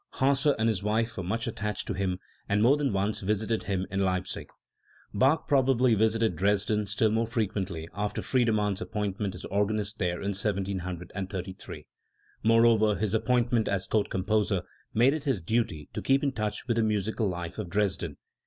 Hasse and his wife were much attached to him, and more than once visited him in Leipzig. Bach probably visited Dresden still more frequently after Friedemann' s appointment as organist there in 1733. Moreover, his appointment as Court composer made it his duty to keep in tbuch with the musical life of Dresden.